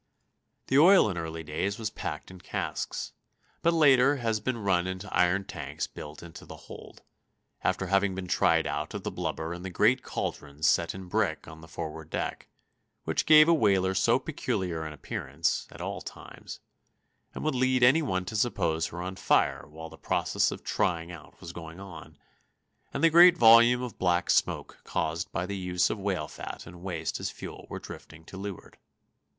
The oil in early days was packed in casks, but later has been run into iron tanks built into the hold, after having been tried out of the blubber in the great caldrons set in brick on the forward deck, which gave a whaler so peculiar an appearance, at all times, and would lead any one to suppose her on fire while the process of trying out was going on, and the great volumes of black smoke caused by the use of whale fat and waste as fuel were drifting to leeward.